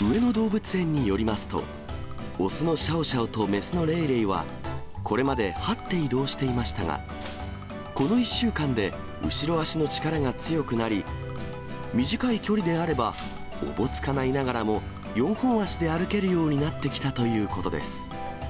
上野動物園によりますと、雄のシャオシャオと雌のレイレイはこれまではって移動していましたが、この１週間で後ろ足の力が強くなり、短い距離であれば、おぼつかないながらも、４本足で歩けるようになってきたということです。